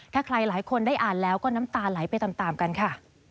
ถ้าใครหลายคนได้อ่านแล้วก็น้ำตาไหลไปตามกันค่ะ